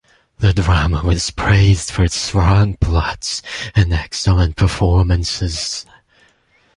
The drama was praised for its strong plots and excellent performances.